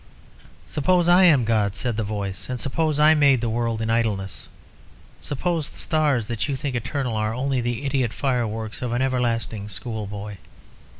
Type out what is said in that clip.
"Suppose I am God," said the voice, "and suppose I made the world in idleness. Suppose the stars, that you think eternal, are only the idiot fireworks of an everlasting schoolboy.